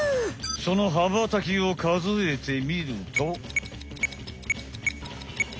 そのはばたきをかぞえてみると。